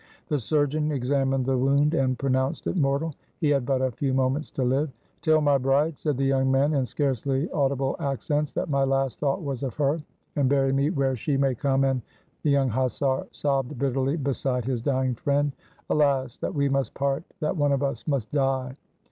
The surgeon examined the wound, and pronounced it mortal; he had but a few moments to live. "Tell my bride," said the young man, in scarcely audi ble accents, "that my last thought was of her — and bury me where she may come and—" The young hussar sobbed bitterly beside his dying friend. "Alas ! that we must part — that one of us must die!"